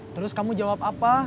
terus kamu jawab apa